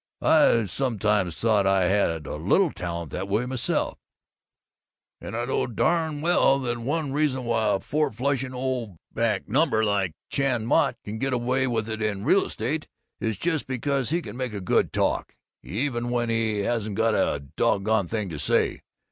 I've sometimes thought I had a little talent that way myself, and I know darn well that one reason why a fourflushing old back number like Chan Mott can get away with it in real estate is just because he can make a good talk, even when he hasn't got a doggone thing to say!